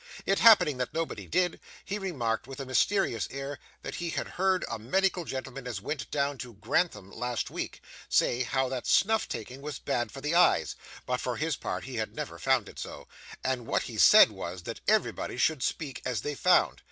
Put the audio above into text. It happening that nobody did, he remarked with a mysterious air that he had heard a medical gentleman as went down to Grantham last week, say how that snuff taking was bad for the eyes; but for his part he had never found it so, and what he said was, that everybody should speak as they found.